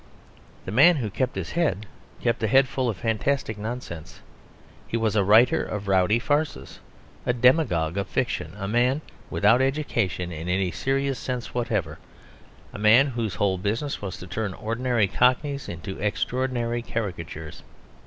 The man who kept his head kept a head full of fantastic nonsense; he was a writer of rowdy farces, a demagogue of fiction, a man without education in any serious sense whatever, a man whose whole business was to turn ordinary cockneys into extraordinary caricatures.